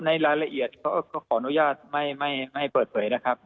ในรายละเอียดก็ขออนุญาตไม่เปิดเผยนะครับ